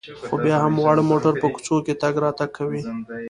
خو بیا هم واړه موټر په کوڅو کې تګ راتګ کوي.